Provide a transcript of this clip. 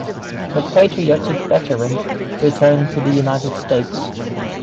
The patriotic veteran returned to the United States.